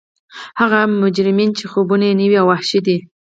هغه مجرمین چې خوبونه یې نوي او وحشي دي